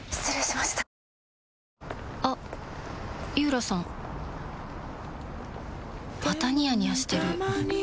またニヤニヤしてるふふ。